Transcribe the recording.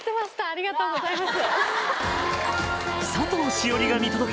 ありがとうございます。